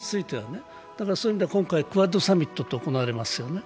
国連については、そういう意味では今回、クアッドサミットが行われますよね。